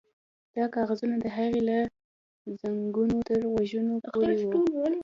دا کاغذونه د هغې له زنګنو تر غوږونو پورې وو